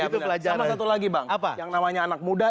sama satu lagi bang yang namanya anak muda